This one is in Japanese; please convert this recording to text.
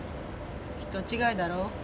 人違いだろ。